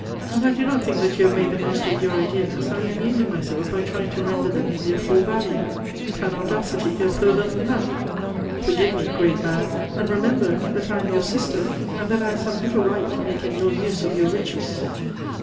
As I do not think that you have made the most of your ideas, I am amusing myself by trying to render them in their full value. Can audacity go further than that? Forgive me, great man, and remember that I am your sister, and that I have some little right to make an ill use of your riches."